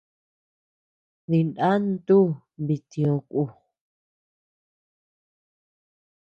Dina ntu bitio ku.